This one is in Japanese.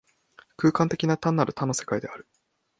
空間的な、単なる多の世界である。